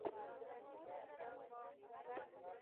ټکنالوجي د زدهکړې اسانتیا ډېره کړې ده.